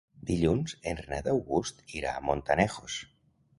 Dilluns en Renat August irà a Montanejos.